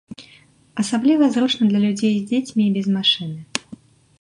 Асабліва зручна для людзей з дзецьмі і без машыны.